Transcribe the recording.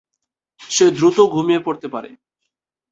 সে দ্রুত ঘুমিয়ে পড়তে পারে।